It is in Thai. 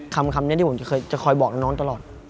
คำนี้ที่ผมจะคอยบอกน้องตลอด